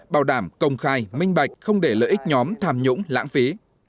bảo đảm công khai minh bạch không để lợi ích nhóm tham nhũng lãng phí